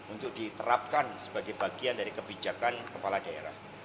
untuk diterapkan sebagai bagian dari kebijakan kepala daerah